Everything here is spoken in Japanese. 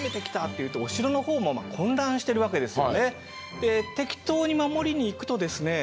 で適当に守りに行くとですね